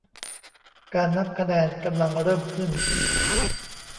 การนับคะแนนกำลังเริ่มขึ้น